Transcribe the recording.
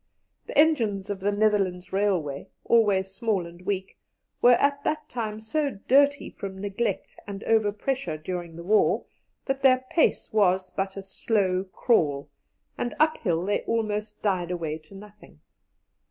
The engines of the Netherlands Railway, always small and weak, were at that time so dirty from neglect and overpressure during the war, that their pace was but a slow crawl, and uphill they almost died away to nothing.